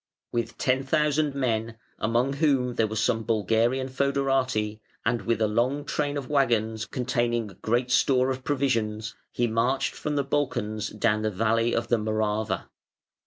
With 10,000 men (among whom there were some Bulgarian fœderati), and with a long train of waggons containing great store of provisions, he marched from the Balkans down the valley of the Morava.